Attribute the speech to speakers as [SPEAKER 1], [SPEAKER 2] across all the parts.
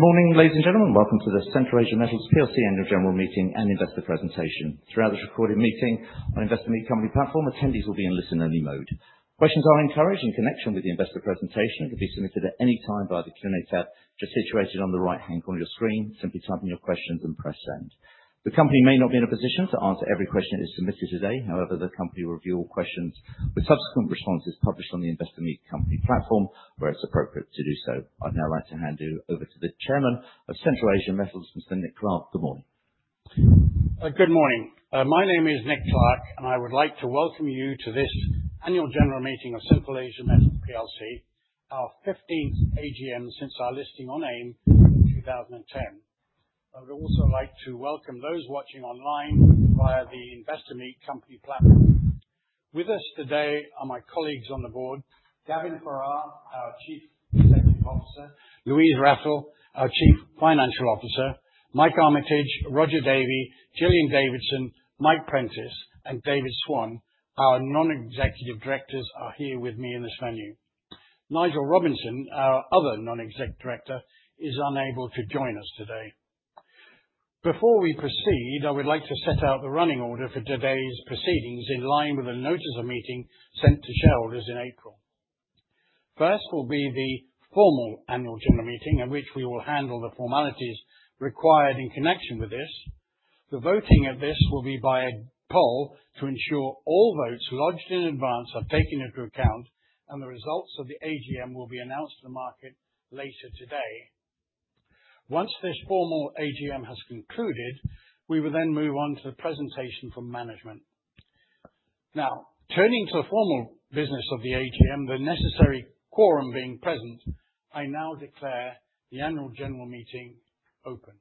[SPEAKER 1] Good morning, ladies and gentlemen. Welcome to the Central Asia Metals Plc's Annual General Meeting and Investor Presentation. Throughout this recorded meeting on Investor Meet Company platform, attendees will be in listen-only mode. Questions are encouraged in connection with the Investor Presentation. It can be submitted at any time by the Q&A tab just situated on the right-hand corner of your screen. Simply type in your questions and press send. The company may not be in a position to answer every question that is submitted today. However, the company will review all questions with subsequent responses published on the Investor Meet Company platform where it's appropriate to do so. I'd now like to hand you over to the Chairman of Central Asia Metals, Mr. Nick Clarke. Good morning.
[SPEAKER 2] Good morning. My name is Nick Clarke, and I would like to welcome you to this Annual General Meeting of Central Asia Metals Plc, our 15th AGM since our listing on AIM in 2010. I would also like to welcome those watching online via the Investor Meet Company platform. With us today are my colleagues on the board, Gavin Ferrar, our Chief Executive Officer; Louise Wrathall, our Chief Financial Officer; Mike Armitage, Roger Davie, Gillian Davidson, Mike Prentice, and David Swan, our non-executive directors, are here with me in this venue. Nigel Robinson, our other non-executive director, is unable to join us today. Before we proceed, I would like to set out the running order for today's proceedings in line with the notice of meeting sent to shareholders in April. First will be the formal Annual General Meeting, at which we will handle the formalities required in connection with this. The voting at this will be by a poll to ensure all votes lodged in advance are taken into account, and the results of the AGM will be announced to the market later today. Once this formal AGM has concluded, we will then move on to the presentation from management. Now, turning to the formal business of the AGM, the necessary quorum being present, I now declare the Annual General Meeting open.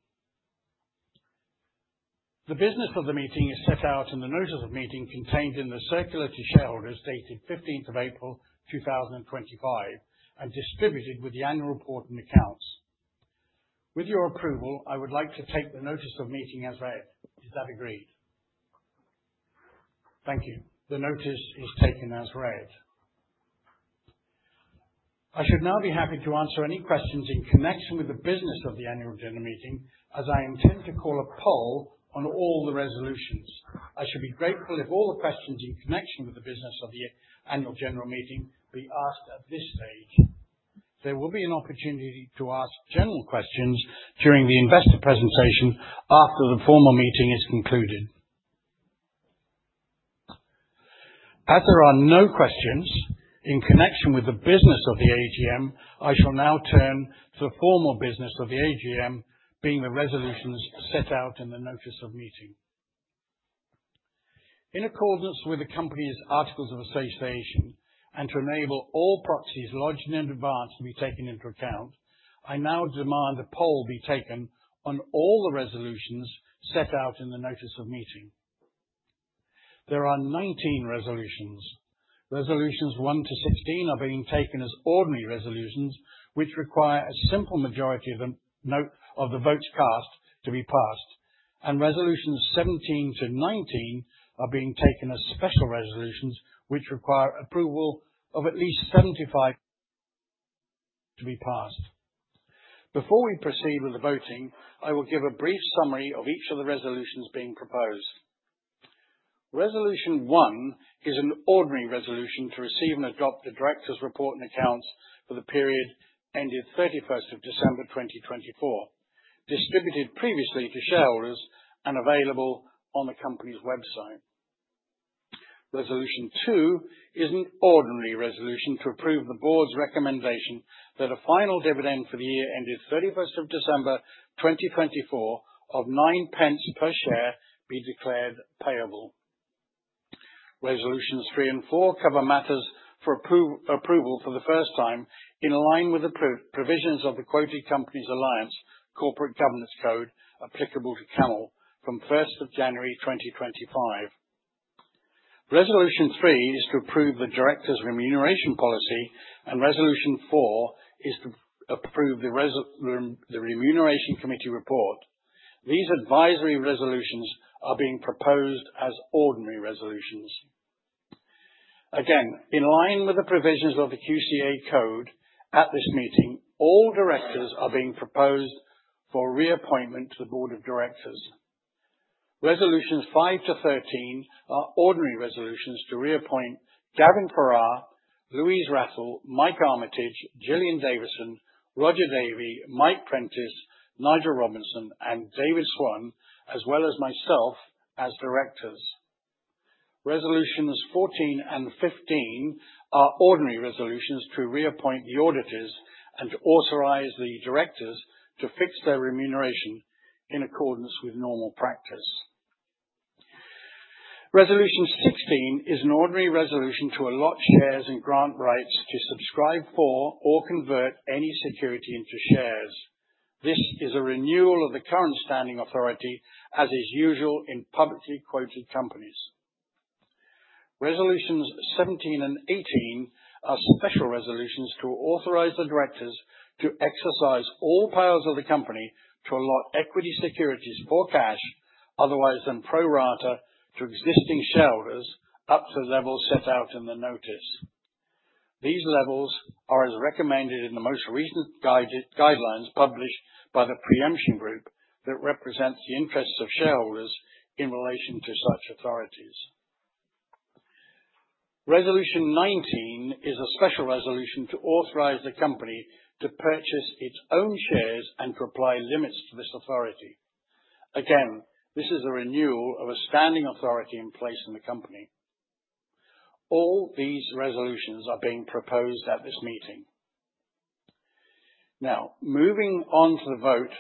[SPEAKER 2] The business of the meeting is set out in the notice of meeting contained in the circular to shareholders dated 15th of April 2025 and distributed with the annual report and accounts. With your approval, I would like to take the notice of meeting as read. Is that agreed? Thank you. The notice is taken as read. I should now be happy to answer any questions in connection with the business of the Annual General Meeting, as I intend to call a poll on all the resolutions. I should be grateful if all the questions in connection with the business of the Annual General Meeting be asked at this stage. There will be an opportunity to ask general questions during the Investor Presentation after the formal meeting is concluded. As there are no questions in connection with the business of the AGM, I shall now turn to the formal business of the AGM, being the resolutions set out in the notice of meeting. In accordance with the company's Articles of Association, and to enable all proxies lodged in advance to be taken into account, I now demand a poll be taken on all the resolutions set out in the notice of meeting. There are 19 resolutions. Resolutions 1 to 16 are being taken as ordinary resolutions, which require a simple majority of the votes cast to be passed, and resolutions 17 to 19 are being taken as special resolutions, which require approval of at least 75% to be passed. Before we proceed with the voting, I will give a brief summary of each of the resolutions being proposed. Resolution 1 is an ordinary resolution to receive and adopt the directors' report and accounts for the period ended 31st of December 2024, distributed previously to shareholders and available on the company's website. Resolution 2 is an ordinary resolution to approve the board's recommendation that a final dividend for the year ended 31st of December 2024 of 0.09 per share be declared payable. Resolutions 3 and 4 cover matters for approval for the first time in line with the provisions of the Quoted Companies Alliance Corporate Governance Code, applicable to CAML from 1st of January 2025. Resolution 3 is to approve the directors' remuneration policy, and Resolution 4 is to approve the remuneration committee report. These advisory resolutions are being proposed as ordinary resolutions. Again, in line with the provisions of the QCA Code, at this meeting, all directors are being proposed for reappointment to the board of directors. Resolutions 5 to 13 are ordinary resolutions to reappoint Gavin Ferrar, Louise Wrathall, Mike Armitage, Gillian Davidson, Roger Davie, Mike Prentice, Nigel Robinson, and David Swan, as well as myself as directors. Resolutions 14 and 15 are ordinary resolutions to reappoint the auditors and to authorize the directors to fix their remuneration in accordance with normal practice. Resolution 16 is an ordinary resolution to allot shares and grant rights to subscribe for or convert any security into shares. This is a renewal of the current standing authority, as is usual in publicly quoted companies. Resolutions 17 and 18 are special resolutions to authorize the directors to exercise all powers of the company to allot equity securities for cash, otherwise than pro rata, to existing shareholders up to levels set out in the notice. These levels are as recommended in the most recent guidelines published by the Pre-Emption Group that represent the interests of shareholders in relation to such authorities. Resolution 19 is a special resolution to authorize the company to purchase its own shares and to apply limits to this authority. Again, this is a renewal of a standing authority in place in the company. All these resolutions are being proposed at this meeting. Now, moving on to the vote,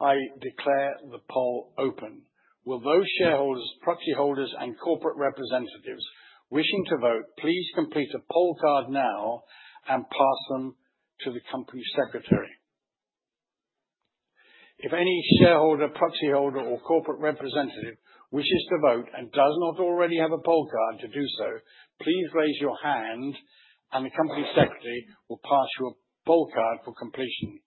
[SPEAKER 2] I declare the poll open. Will those shareholders, proxy holders, and corporate representatives wishing to vote, please complete a poll card now and pass them to the company secretary. If any shareholder, proxy holder, or corporate representative wishes to vote and does not already have a poll card to do so, please raise your hand, and the company secretary will pass you a poll card for completion.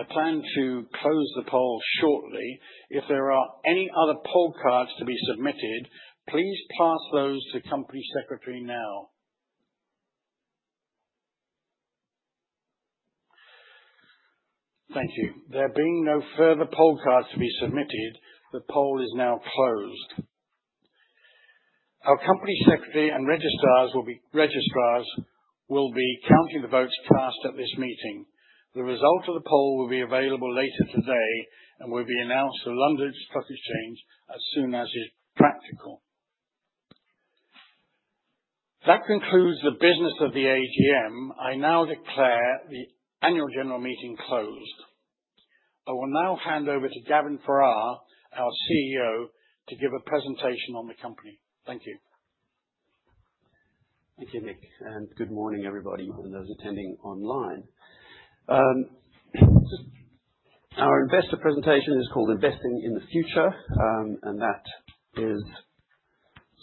[SPEAKER 2] I plan to close the poll shortly. If there are any other poll cards to be submitted, please pass those to the company secretary now. Thank you. There being no further poll cards to be submitted, the poll is now closed. Our company secretary and registrars will be counting the votes cast at this meeting. The result of the poll will be available later today and will be announced to the London Stock Exchange as soon as it is practical. That concludes the business of the AGM. I now declare the Annual General Meeting closed. I will now hand over to Gavin Ferrar, our CEO, to give a presentation on the company. Thank you.
[SPEAKER 3] Thank you, Nick, and good morning, everybody, and those attending online. Our investor presentation is called Investing in the Future, and that is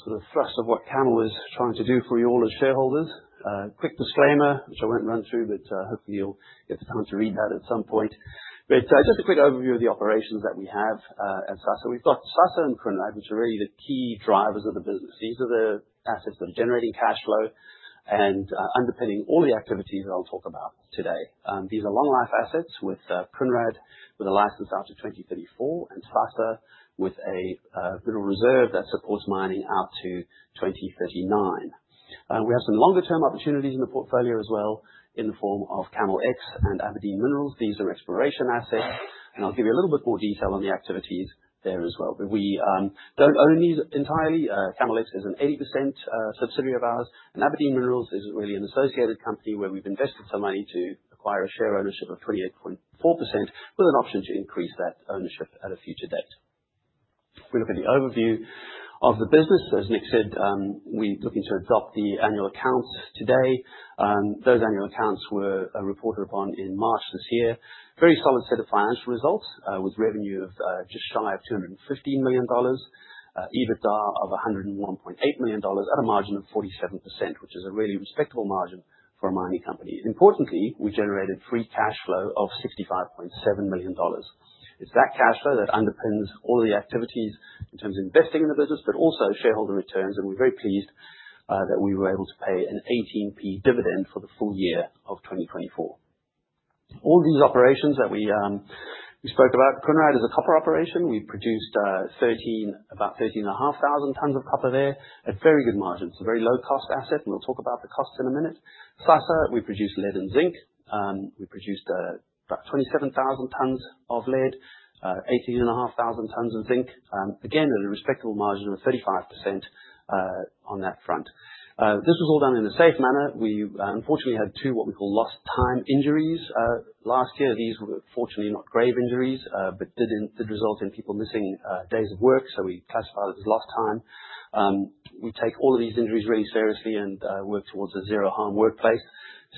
[SPEAKER 3] sort of the thrust of what Central Asia Metals is trying to do for you all as shareholders. A quick disclaimer, which I won't run through, but hopefully you'll get the time to read that at some point. A quick overview of the operations that we have at SASA. We've got SASA and Kounrad, which are really the key drivers of the business. These are the assets that are generating cash flow and underpinning all the activities that I'll talk about today. These are long-life assets with Kounrad, with a license out to 2034, and SASA with a mineral reserve that supports mining out to 2039. We have some longer-term opportunities in the portfolio as well in the form of CAML X and Aberdeen Minerals. These are exploration assets, and I'll give you a little bit more detail on the activities there as well. We don't own these entirely. CAML X is an 80% subsidiary of ours, and Aberdeen Minerals is really an associated company where we've invested some money to acquire a share ownership of 28.4% with an option to increase that ownership at a future date. If we look at the overview of the business, as Nick said, we're looking to adopt the annual accounts today. Those annual accounts were reported upon in March this year. Very solid set of financial results with revenue of just shy of $215 million, EBITDA of $101.8 million at a margin of 47%, which is a really respectable margin for a mining company. Importantly, we generated free cash flow of $65.7 million. It's that cash flow that underpins all of the activities in terms of investing in the business, but also shareholder returns, and we're very pleased that we were able to pay an 0.18 dividend for the full year of 2024. All these operations that we spoke about, Kounrad is a copper operation. We produced about 13,500 tons of copper there at very good margins. It's a very low-cost asset, and we'll talk about the costs in a minute. SASA, we produced lead and zinc. We produced about 27,000 tons of lead, 18,500 tons of zinc, again at a respectable margin of 35% on that front. This was all done in a safe manner. We unfortunately had two what we call lost time injuries last year. These were fortunately not grave injuries, but did result in people missing days of work, so we classify them as lost time. We take all of these injuries really seriously and work towards a zero-harm workplace.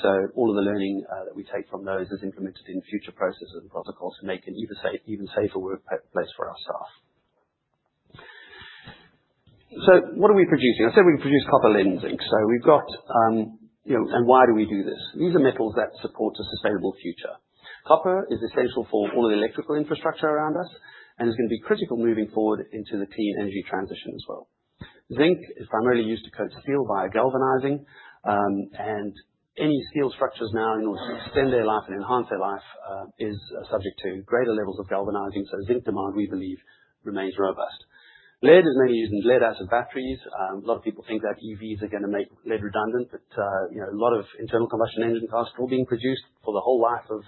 [SPEAKER 3] All of the learning that we take from those is implemented in future processes and protocols to make an even safer workplace for our staff. What are we producing? I said we produce copper, lead, and zinc. We have, and why do we do this? These are metals that support a sustainable future. Copper is essential for all of the electrical infrastructure around us and is going to be critical moving forward into the clean energy transition as well. Zinc is primarily used to coat steel via galvanizing, and any steel structures now, in order to extend their life and enhance their life, are subject to greater levels of galvanizing, so zinc demand, we believe, remains robust. Lead is mainly used in lead-acid batteries. A lot of people think that EVs are going to make lead redundant, but a lot of internal combustion engine cars are still being produced for the whole life of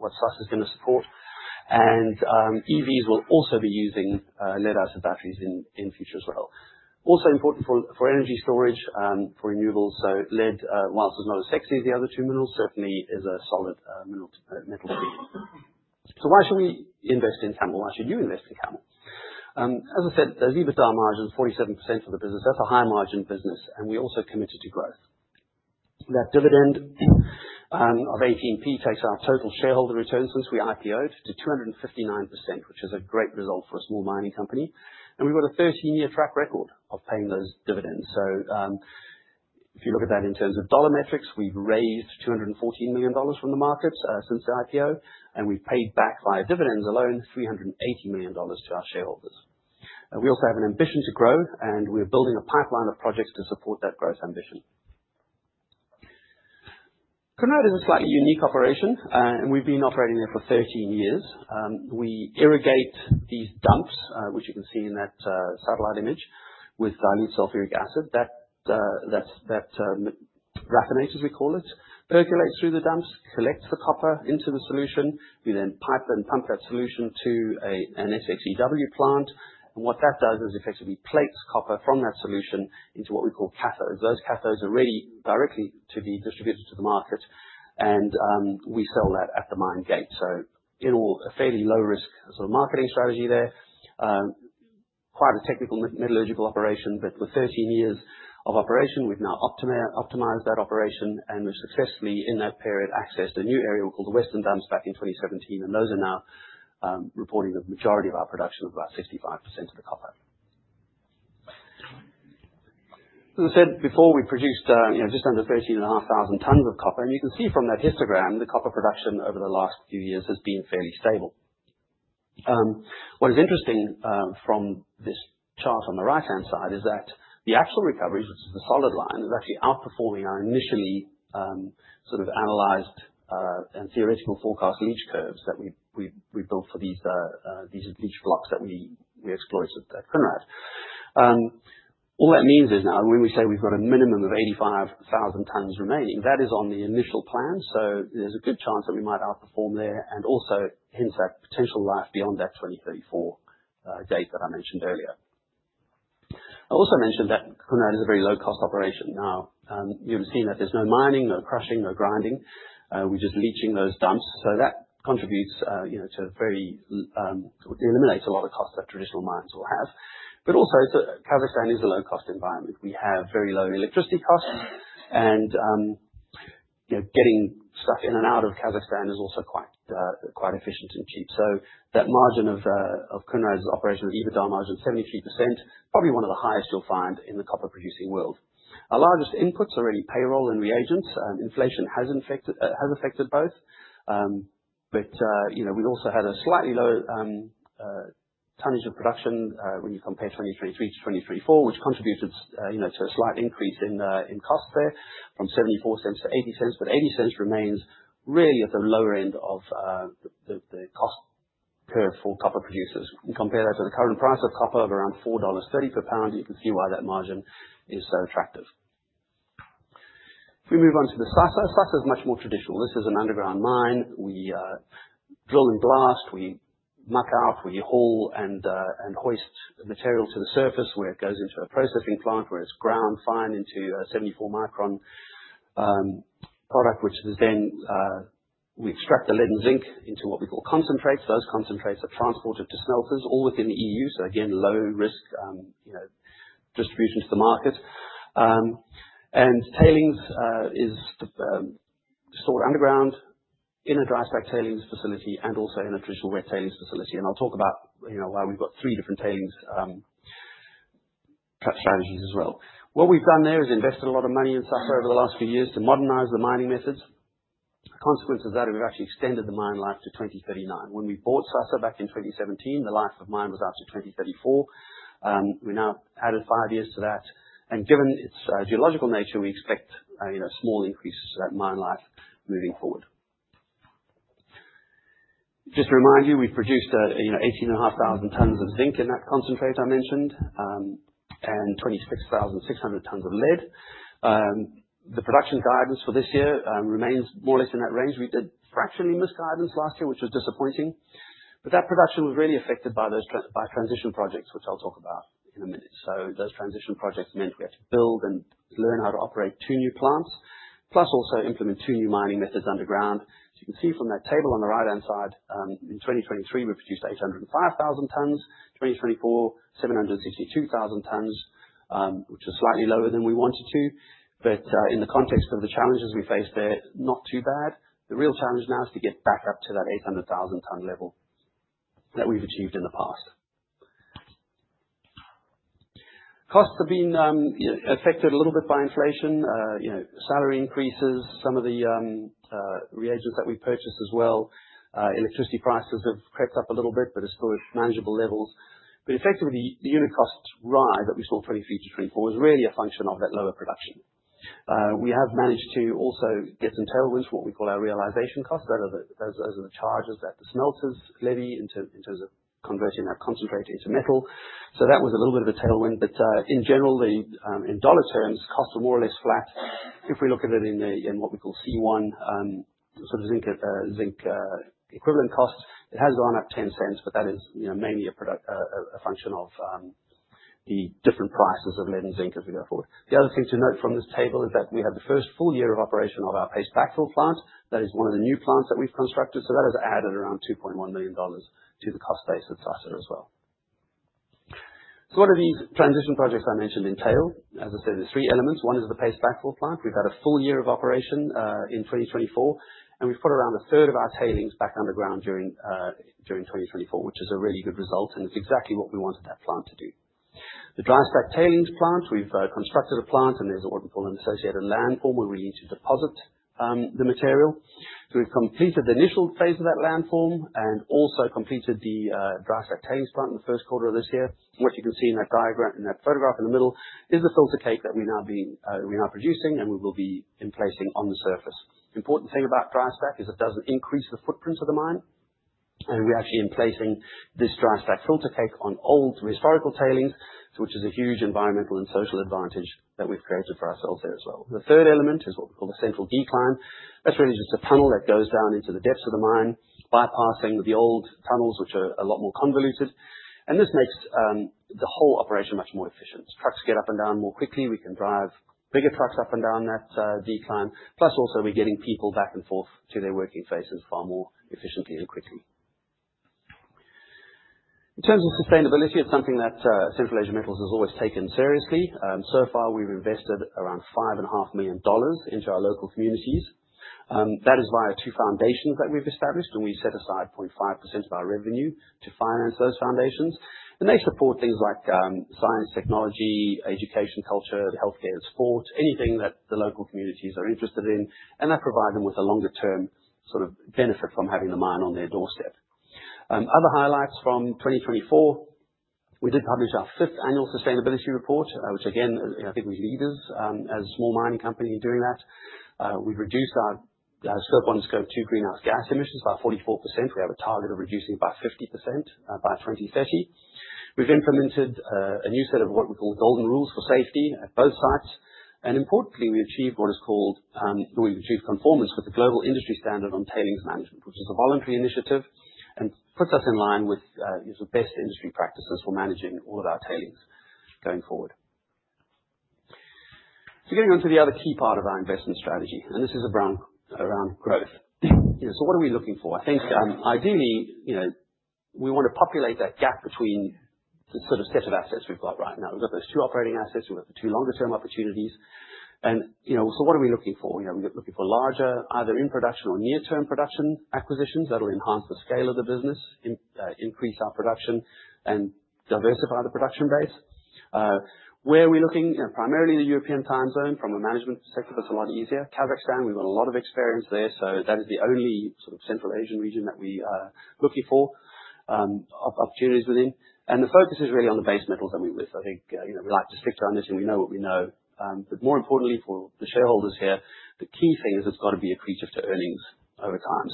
[SPEAKER 3] what SASA is going to support, and EVs will also be using lead-acid batteries in future as well. Also important for energy storage, for renewables, so lead, whilst it's not as sexy as the other two minerals, certainly is a solid metal tree. Why should we invest in CAML X? Why should you invest in CAML? As I said, those EBITDA margins, 47% of the business, that's a high-margin business, and we're also committed to growth. That dividend of 0.18 takes our total shareholder returns since we IPOed to 259%, which is a great result for a small mining company, and we've got a 13-year track record of paying those dividends. If you look at that in terms of dollar metrics, we've raised $214 million from the markets since the IPO, and we've paid back via dividends alone $380 million to our shareholders. We also have an ambition to grow, and we're building a pipeline of projects to support that growth ambition. Kounrad is a slightly unique operation, and we've been operating there for 13 years. We irrigate these dumps, which you can see in that satellite image, with dilute sulfuric acid. That raffinate, as we call it, percolates through the dumps, collects the copper into the solution. We then pipe and pump that solution to an SXEW plant, and what that does is effectively plates copper from that solution into what we call cathodes. Those cathodes are ready directly to be distributed to the market, and we sell that at the mine gate. In all, a fairly low-risk sort of marketing strategy there. Quite a technical metallurgical operation, but with 13 years of operation, we have now optimized that operation, and we have successfully in that period accessed a new area we call the Western Dumps back in 2017, and those are now reporting the majority of our production of about 55% of the copper. As I said before, we produced just under 13,500 tons of copper, and you can see from that histogram the copper production over the last few years has been fairly stable. What is interesting from this chart on the right-hand side is that the actual recovery, which is the solid line, is actually outperforming our initially sort of analyzed and theoretical forecast leach curves that we built for these leach blocks that we exploited at Kounrad. All that means is now, when we say we've got a minimum of 85,000 tons remaining, that is on the initial plan, so there's a good chance that we might outperform there and also hence that potential life beyond that 2034 date that I mentioned earlier. I also mentioned that Kounrad is a very low-cost operation. Now, you'll have seen that there's no mining, no crushing, no grinding. We're just leaching those dumps, so that contributes to very eliminates a lot of costs that traditional mines will have. Also, Kazakhstan is a low-cost environment. We have very low electricity costs, and getting stuff in and out of Kazakhstan is also quite efficient and cheap. That margin of Kounrad's operational EBITDA margin is 73%, probably one of the highest you'll find in the copper-producing world. Our largest inputs are really payroll and reagents. Inflation has affected both, but we also had a slightly lower tonnage of production when you compare 2023 to 2024, which contributed to a slight increase in costs there from $0.74 to $0.80, but $0.80 remains really at the lower end of the cost curve for copper producers. You can compare that to the current price of copper of around $4.30 per pound, and you can see why that margin is so attractive. If we move on to the SASA, SASA is much more traditional. This is an underground mine. We drill and blast, we muck out, we haul and hoist material to the surface where it goes into a processing plant where it's ground fine into a 74-micron product, which is then we extract the lead and zinc into what we call concentrates. Those concentrates are transported to smelters all within the EU, so again, low-risk distribution to the market. Tailings is stored underground in a dry-stack tailings facility and also in a traditional wet tailings facility. I will talk about why we have three different tailings strategies as well. What we have done there is invested a lot of money in SASA over the last few years to modernize the mining methods. The consequence of that is we have actually extended the mine life to 2039. When we bought SASA back in 2017, the life of mine was up to 2034. We have now added five years to that, and given its geological nature, we expect small increases to that mine life moving forward. Just to remind you, we have produced 18,500 tons of zinc in that concentrate I mentioned and 26,600 tons of lead. The production guidance for this year remains more or less in that range. We did fractionally miss guidance last year, which was disappointing, but that production was really affected by transition projects, which I'll talk about in a minute. Those transition projects meant we had to build and learn how to operate two new plants, plus also implement two new mining methods underground. As you can see from that table on the right-hand side, in 2023, we produced 805,000 tons. In 2024, 762,000 tons, which is slightly lower than we wanted to, but in the context of the challenges we faced there, not too bad. The real challenge now is to get back up to that 800,000-ton level that we've achieved in the past. Costs have been affected a little bit by inflation, salary increases, some of the reagents that we purchased as well. Electricity prices have crept up a little bit, but are still at manageable levels. Effectively, the unit cost rise that we saw in 2023 to 2024 was really a function of that lower production. We have managed to also get some tailwinds for what we call our realization costs. Those are the charges that the smelters levy in terms of converting that concentrate into metal. That was a little bit of a tailwind, but in general, in dollar terms, costs are more or less flat. If we look at it in what we call C1, sort of zinc equivalent costs, it has gone up $ 0.10, but that is mainly a function of the different prices of lead and zinc as we go forward. The other thing to note from this table is that we had the first full year of operation of our paste backfill plant. That is one of the new plants that we've constructed, so that has added around $2.1 million to the cost base at SASA as well. What do these transition projects I mentioned entail? As I said, there are three elements. One is the paste backfill plant. We've had a full year of operation in 2024, and we've put around one third of our tailings back underground during 2024, which is a really good result, and it's exactly what we wanted that plant to do. The dry-stack tailings plant, we've constructed a plant, and there is what we call an associated landform where we need to deposit the material. We've completed the initial phase of that landform and also completed the dry-stack tailings plant in the first quarter of this year. What you can see in that photograph in the middle is the filter cake that we're now producing and we will be emplacing on the surface. The important thing about dry-stack is it doesn't increase the footprint of the mine, and we're actually emplacing this dry-stack filter cake on old historical tailings, which is a huge environmental and social advantage that we've created for ourselves there as well. The third element is what we call the central decline. That's really just a tunnel that goes down into the depths of the mine, bypassing the old tunnels, which are a lot more convoluted, and this makes the whole operation much more efficient. Trucks get up and down more quickly. We can drive bigger trucks up and down that decline, plus also we're getting people back and forth to their working places far more efficiently and quickly. In terms of sustainability, it's something that Central Asia Metals has always taken seriously. So far, we've invested around $5.5 million into our local communities. That is via two foundations that we've established, and we set aside 0.5% of our revenue to finance those foundations. They support things like science, technology, education, culture, healthcare, and sport, anything that the local communities are interested in, and that provides them with a longer-term sort of benefit from having the mine on their doorstep. Other highlights from 2024, we did publish our fifth annual sustainability report, which again, I think we're leaders as a small mining company in doing that. We've reduced our scope 1 and scope 2 greenhouse gas emissions by 44%. We have a target of reducing it by 50% by 2030. have implemented a new set of what we call golden rules for safety at both sites, and importantly, we achieved what is called, we have achieved conformance with the Global Industry Standard on Tailings Management, which is a voluntary initiative and puts us in line with the best industry practices for managing all of our tailings going forward. Getting on to the other key part of our investment strategy, this is around growth. What are we looking for? I think ideally, we want to populate that gap between the sort of set of assets we have right now. We have those two operating assets. We have the two longer-term opportunities. What are we looking for? We are looking for larger, either in-production or near-term production acquisitions that will enhance the scale of the business, increase our production, and diversify the production base. Where are we looking? Primarily the European time zone from a management perspective. It's a lot easier. Kazakhstan, we've got a lot of experience there, so that is the only sort of Central Asian region that we are looking for opportunities within. The focus is really on the base metals that we're with. I think we like to stick to our niche and we know what we know, but more importantly for the shareholders here, the key thing is it's got to be accretive to earnings over time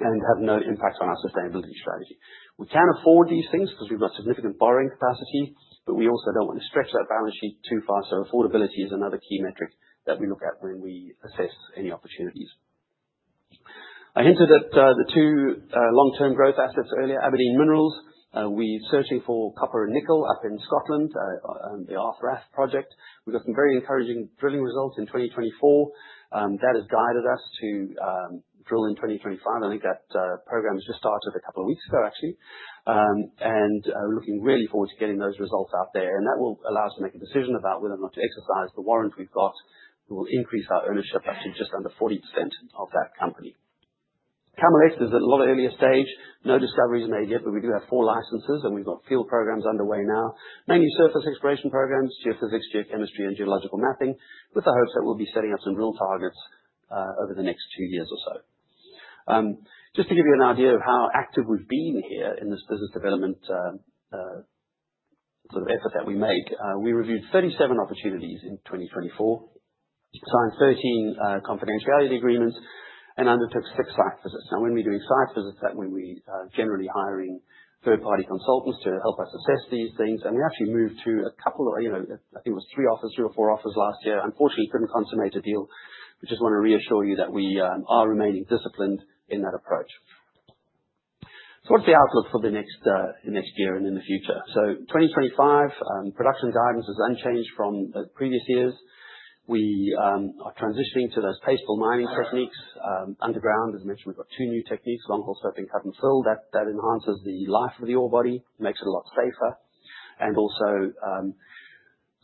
[SPEAKER 3] and have no impact on our sustainability strategy. We can afford these things because we've got significant borrowing capacity, but we also don't want to stretch that balance sheet too far, so affordability is another key metric that we look at when we assess any opportunities. I hinted at the two long-term growth assets earlier, Aberdeen Minerals. We're searching for copper and nickel up in Scotland, the Arthrath project. We've got some very encouraging drilling results in 2024. That has guided us to drill in 2025. I think that program has just started a couple of weeks ago, actually, and we're looking really forward to getting those results out there. That will allow us to make a decision about whether or not to exercise the warrant we've got, which will increase our ownership up to just under 40% of that company. CAML X is at a lot earlier stage. No discoveries made yet, but we do have four licenses, and we've got field programs underway now, mainly surface exploration programs, geophysics, geochemistry, and geological mapping, with the hopes that we'll be setting up some drill targets over the next two years or so. Just to give you an idea of how active we've been here in this business development sort of effort that we make, we reviewed 37 opportunities in 2024, signed 13 confidentiality agreements, and undertook six site visits. Now, when we're doing site visits, that means we're generally hiring third-party consultants to help us assess these things, and we actually moved to a couple of, I think it was three offices, three or four offices last year. Unfortunately, couldn't consummate a deal. We just want to reassure you that we are remaining disciplined in that approach. What's the outlook for the next year and in the future? For 2025, production guidance is unchanged from the previous years. We are transitioning to those paste backfill mining techniques. Underground, as I mentioned, we've got two new techniques, longhole stoping, cut and fill. That enhances the life of the ore body, makes it a lot safer, and also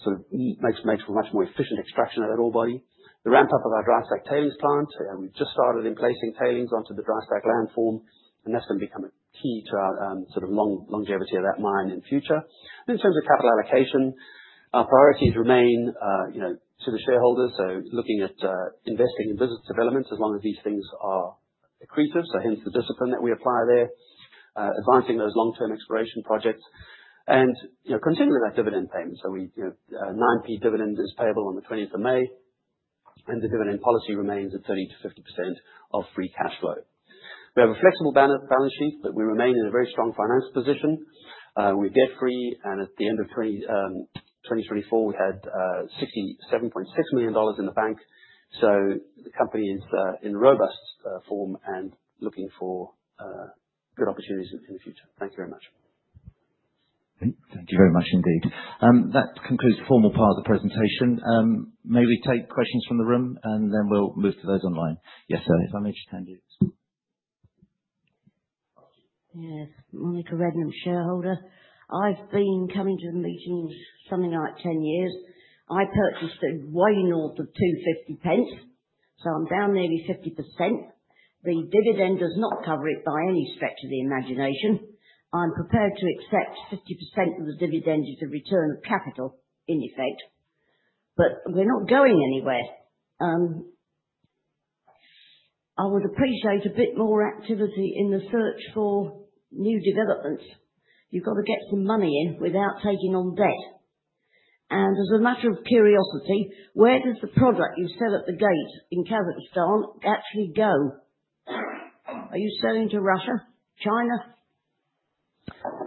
[SPEAKER 3] sort of makes for much more efficient extraction of that ore body. The ramp-up of our dry-stack tailings plant, we've just started emplacing tailings onto the dry-stack landform, and that's going to become a key to our sort of longevity of that mine in the future. In terms of capital allocation, our priorities remain to the shareholders, looking at investing in business development as long as these things are accretive, hence the discipline that we apply there, advancing those long-term exploration projects, and continuing that dividend payment. A 9 dividend is payable on the 20th of May, and the dividend policy remains at 30%-50% of free cash flow. We have a flexible balance sheet, but we remain in a very strong financial position. We're debt-free, and at the end of 2024, we had $67.6 million in the bank, so the company is in robust form and looking for good opportunities in the future. Thank you very much.
[SPEAKER 1] Thank you very much indeed. That concludes the formal part of the presentation. May we take questions from the room, and then we'll move to those online? Yes, if I may just hand you—
[SPEAKER 4] Yes, Monica Redm, shareholder. I've been coming to the meetings something like 10 years. I purchased it way north of 250, so I'm down nearly 50%. The dividend does not cover it by any stretch of the imagination. I'm prepared to accept 50% of the dividend as a return of capital, in effect, but we're not going anywhere. I would appreciate a bit more activity in the search for new developments. You've got to get some money in without taking on debt. As a matter of curiosity, where does the product you sell at the gate in Kazakhstan actually go? Are you selling to Russia, China?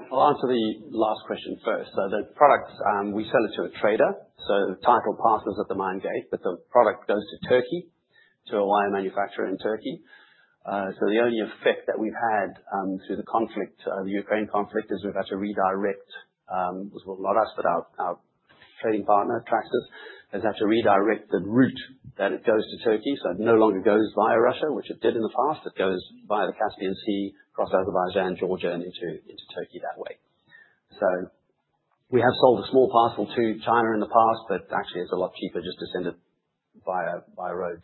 [SPEAKER 3] I'll answer the last question first. The product, we sell it to a trader, so the title passes at the mine gate, but the product goes to Turkey, to a wire manufacturer in Turkey. The only effect that we've had through the conflict, the Ukraine conflict, is we've had to redirect—not us, but our trading partner, Trafigura—has had to redirect the route that it goes to Turkey. It no longer goes via Russia, which it did in the past. It goes via the Caspian Sea, across Azerbaijan, Georgia, and into Turkey that way. We have sold a small parcel to China in the past, but actually, it is a lot cheaper just to send it via road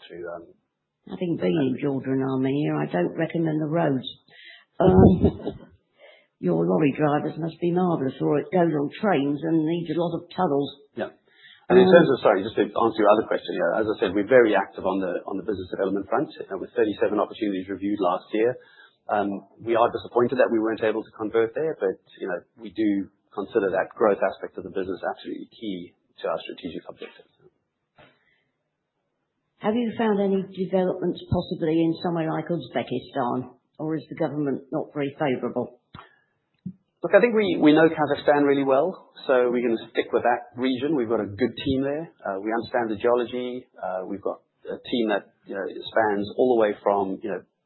[SPEAKER 3] through—
[SPEAKER 4] I think being in Georgia and Armenia, I do not recommend the roads. Your lorry drivers must be marvelous or it goes on trains and needs a lot of tunnels.
[SPEAKER 3] Yeah. In terms of—sorry, just to answer your other question, as I said, we are very active on the business development front. There were 37 opportunities reviewed last year. We are disappointed that we were not able to convert there, but we do consider that growth aspect of the business absolutely key to our strategic objectives.
[SPEAKER 4] Have you found any developments possibly in somewhere like Uzbekistan, or is the government not very favorable?
[SPEAKER 3] Look, I think we know Kazakhstan really well, so we are going to stick with that region. We have got a good team there. We understand the geology. We've got a team that spans all the way from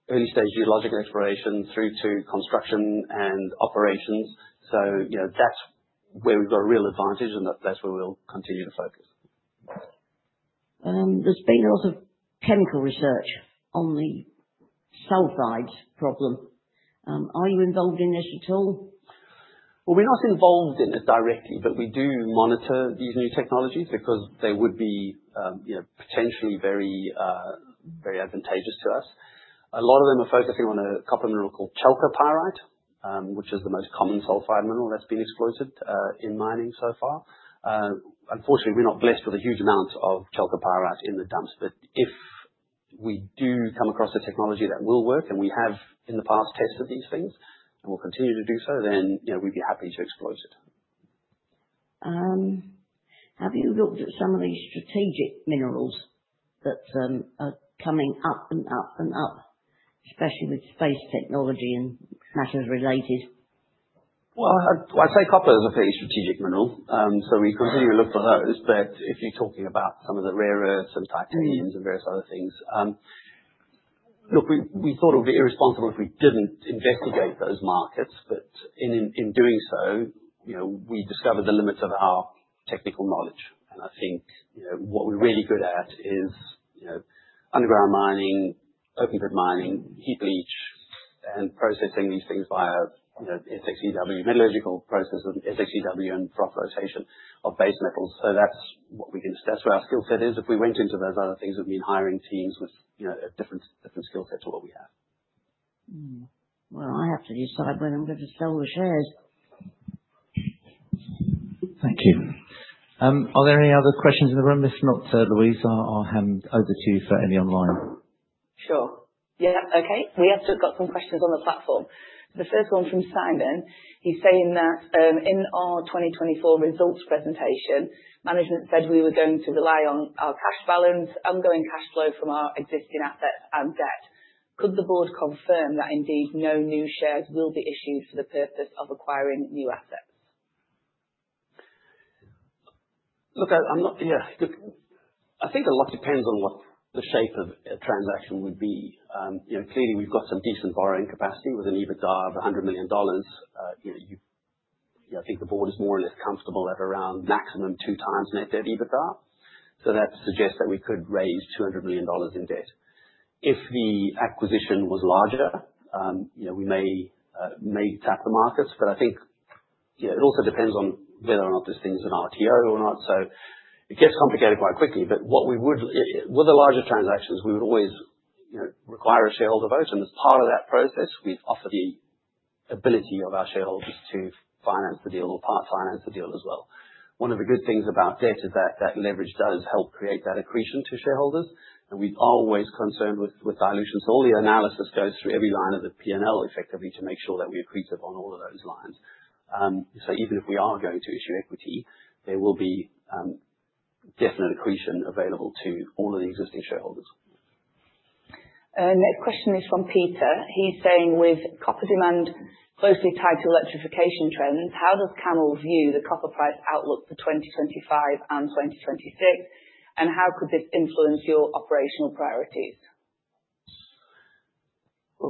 [SPEAKER 3] early-stage geological exploration through to construction and operations. That is where we've got a real advantage, and that is where we'll continue to focus.
[SPEAKER 4] There's been a lot of chemical research on the sulfides problem. Are you involved in this at all?
[SPEAKER 3] We are not involved in it directly, but we do monitor these new technologies because they would be potentially very advantageous to us. A lot of them are focusing on a copper mineral called chalcopyrite, which is the most common sulfide mineral that's been exploited in mining so far. Unfortunately, we're not blessed with a huge amount of chalcopyrite in the dumps, but if we do come across a technology that will work and we have in the past tested these things and will continue to do so, then we'd be happy to exploit it.
[SPEAKER 4] Have you looked at some of these strategic minerals that are coming up and up and up, especially with space technology and matters related?
[SPEAKER 3] I’d say copper is a pretty strategic mineral, so we continue to look for those, but if you’re talking about some of the rare earths and titaniums and various other things, look, we thought it would be irresponsible if we didn’t investigate those markets, but in doing so, we discovered the limits of our technical knowledge. I think what we’re really good at is underground mining, open-pit mining, heap leach, and processing these things via SXEW, metallurgical processes, SXEW, and drop rotation of base metals. That’s what we can—that’s where our skill set is. If we went into those other things, we’d be hiring teams with different skill sets to what we have.
[SPEAKER 4] I have to decide when I'm going to sell the shares.
[SPEAKER 1] Thank you. Are there any other questions in the room? If not, Louise, I'll hand over to you for any online.
[SPEAKER 5] Sure. Yeah. Okay. We have still got some questions on the platform. The first one from Simon. He's saying that in our 2024 results presentation, management said we were going to rely on our cash balance, ongoing cash flow from our existing assets, and debt. Could the board confirm that indeed no new shares will be issued for the purpose of acquiring new assets?
[SPEAKER 3] Look, yeah, I think a lot depends on what the shape of a transaction would be. Clearly, we've got some decent borrowing capacity with an EBITDA of $100 million. I think the board is more or less comfortable at around maximum two times net debt EBITDA. That suggests that we could raise $200 million in debt. If the acquisition was larger, we may tap the markets, but I think it also depends on whether or not this thing is an RTO or not. It gets complicated quite quickly, but with the larger transactions, we would always require a shareholder vote. As part of that process, we've offered the ability of our shareholders to finance the deal or part-finance the deal as well. One of the good things about debt is that leverage does help create that accretion to shareholders, and we're always concerned with dilution. All the analysis goes through every line of the P&L effectively to make sure that we're accretive on all of those lines. Even if we are going to issue equity, there will be definite accretion available to all of the existing shareholders.
[SPEAKER 5] Next question is from Peter. He is saying, "With copper demand closely tied to electrification trends, how does CAML view the copper price outlook for 2025 and 2026, and how could this influence your operational priorities?"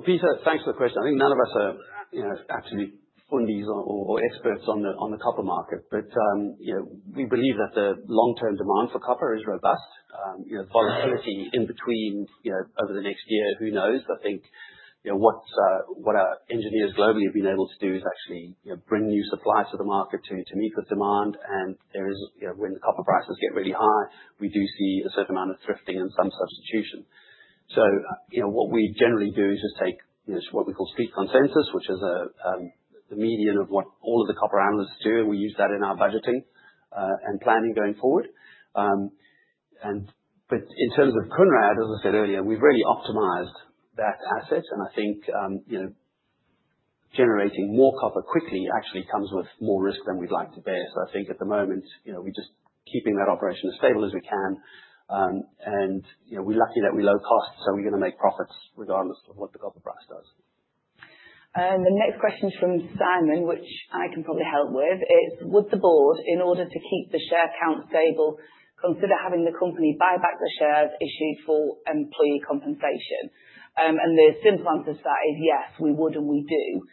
[SPEAKER 3] Peter, thanks for the question. I think none of us are absolute authorities or experts on the copper market, but we believe that the long-term demand for copper is robust. The volatility in between over the next year, who knows? I think what our engineers globally have been able to do is actually bring new supply to the market to meet the demand. When the copper prices get really high, we do see a certain amount of thrifting and some substitution. What we generally do is just take what we call street consensus, which is the median of what all of the copper analysts do, and we use that in our budgeting and planning going forward. In terms of Kounrad, as I said earlier, we've really optimized that asset, and I think generating more copper quickly actually comes with more risk than we'd like to bear. I think at the moment, we're just keeping that operation as stable as we can, and we're lucky that we're low-cost, so we're going to make profits regardless of what the copper price does.
[SPEAKER 5] The next question is from Simon, which I can probably help with. Would the board, in order to keep the share count stable, consider having the company buy back the shares issued for employee compensation?" The simple answer to that is yes, we would, and we do.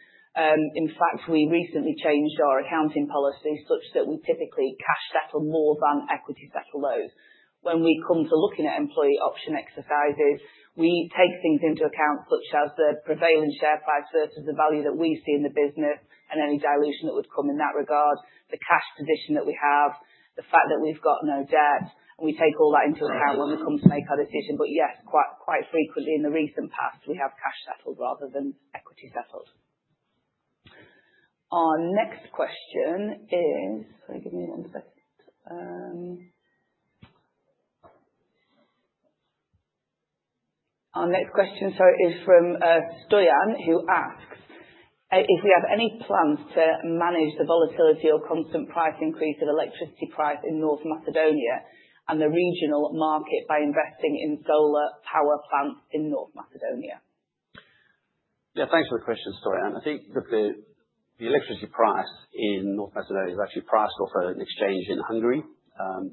[SPEAKER 5] In fact, we recently changed our accounting policy such that we typically cash settle more than equity settle loads. When we come to looking at employee option exercises, we take things into account such as the prevailing share price versus the value that we see in the business and any dilution that would come in that regard, the cash position that we have, the fact that we've got no debt, and we take all that into account when we come to make our decision. Yes, quite frequently in the recent past, we have cash settled rather than equity settled. Our next question is, sorry, give me one second. Our next question, sorry, is from Stoyan, who asks, "If we have any plans to manage the volatility or constant price increase of electricity price in North Macedonia and the regional market by investing in solar power plants in North Macedonia?"
[SPEAKER 3] Yeah, thanks for the question, Stoyan. I think the electricity price in North Macedonia is actually priced off an exchange in Hungary, and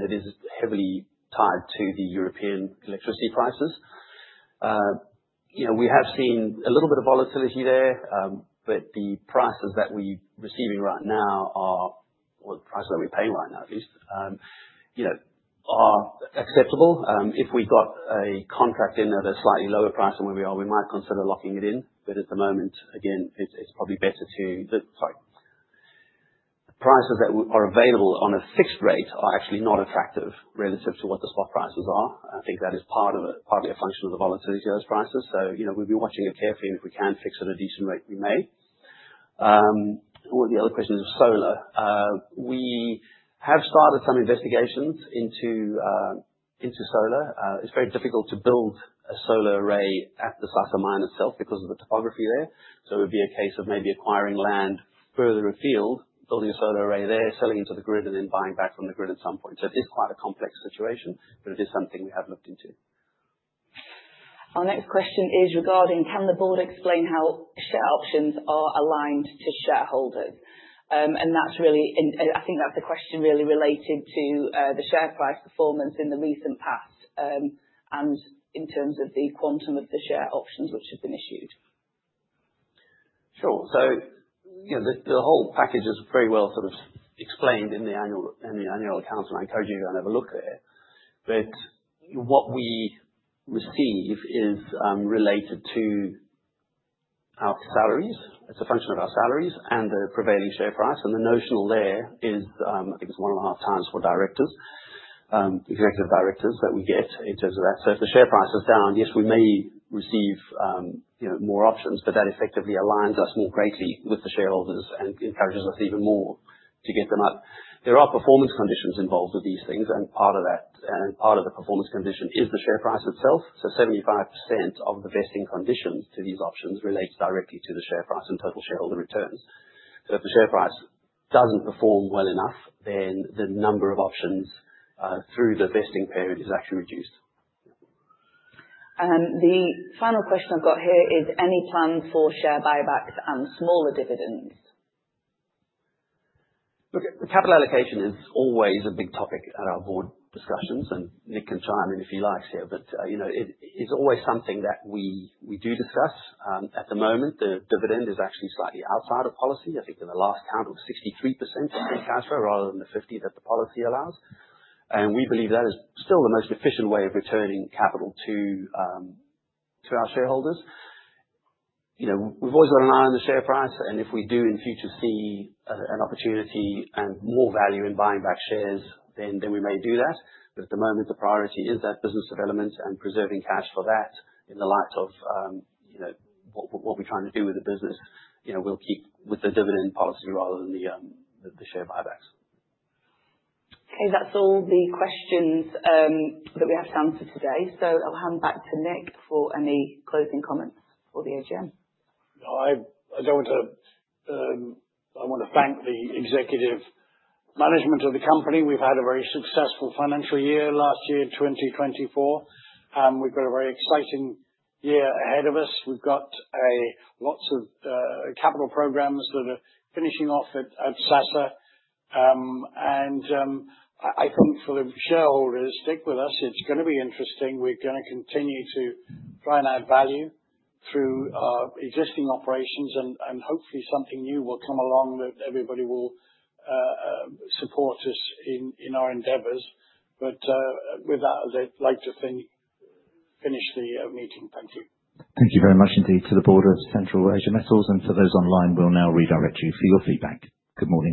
[SPEAKER 3] it is heavily tied to the European electricity prices. We have seen a little bit of volatility there, but the prices that we're receiving right now are, well, the prices that we're paying right now, at least, are acceptable. If we got a contract in at a slightly lower price than where we are, we might consider locking it in, but at the moment, again, it's probably better to, sorry. The prices that are available on a fixed rate are actually not attractive relative to what the spot prices are. I think that is partly a function of the volatility of those prices. We will be watching it carefully, and if we can fix at a decent rate, we may. The other question is solar. We have started some investigations into solar. It is very difficult to build a solar array at the SASA mine itself because of the topography there. It would be a case of maybe acquiring land further afield, building a solar array there, selling into the grid, and then buying back from the grid at some point. It is quite a complex situation, but it is something we have looked into.
[SPEAKER 5] Our next question is regarding, "Can the board explain how share options are aligned to shareholders?" I think that's a question really related to the share price performance in the recent past and in terms of the quantum of the share options which have been issued.
[SPEAKER 3] Sure. The whole package is very well sort of explained in the annual accounts, and I encourage you to go and have a look at it. What we receive is related to our salaries. It's a function of our salaries and the prevailing share price. The notional there is, I think it's one and a half times for directors, executive directors that we get in terms of that. If the share price is down, yes, we may receive more options, but that effectively aligns us more greatly with the shareholders and encourages us even more to get them up. There are performance conditions involved with these things, and part of that, and part of the performance condition is the share price itself. So 75% of the vesting conditions to these options relates directly to the share price and total shareholder returns. If the share price does not perform well enough, then the number of options through the vesting period is actually reduced.
[SPEAKER 5] The final question I have got here is, "Any plans for share buybacks and smaller dividends?"
[SPEAKER 3] Look, capital allocation is always a big topic at our board discussions, and Nick can chime in if he likes here, but it is always something that we do discuss. At the moment, the dividend is actually slightly outside of policy. I think in the last count, it was 63% in cash overall rather than the 50% that the policy allows. We believe that is still the most efficient way of returning capital to our shareholders. We have always got an eye on the share price, and if we do in future see an opportunity and more value in buying back shares, then we may do that. At the moment, the priority is that business development and preserving cash for that in the light of what we are trying to do with the business. We will keep with the dividend policy rather than the share buybacks.
[SPEAKER 5] Okay. That is all the questions that we have to answer today. I will hand back to Nick for any closing comments for the AGM.
[SPEAKER 2] I want to thank the executive management of the company. We have had a very successful financial year last year, 2024. We have got a very exciting year ahead of us. We have got lots of capital programs that are finishing off at SASA. I think for the shareholders, stick with us. It's going to be interesting. We're going to continue to try and add value through our existing operations, and hopefully, something new will come along that everybody will support us in our endeavors. With that, I'd like to finish the meeting. Thank you.
[SPEAKER 1] Thank you very much indeed to the board of Central Asia Metals, and for those online, we'll now redirect you for your feedback. Good morning.